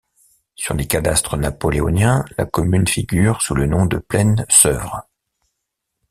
Sur les cadastres napoléoniens, la commune figure sous le nom de Plaine-Sœuvre.